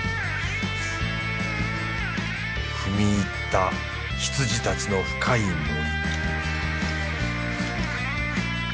踏み入った羊たちの深い森